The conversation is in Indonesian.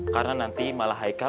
karena nanti malah heikal